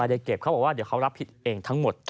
ได้เก็บเขาบอกว่าเดี๋ยวเขารับผิดเองทั้งหมด